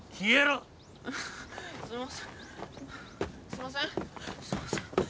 すいません！